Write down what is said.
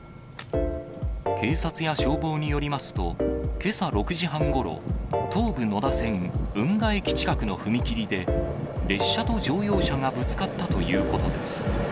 警察や消防によりますと、けさ６時半ごろ、東武野田線運河駅近くの踏切で、列車と乗用車がぶつかったということです。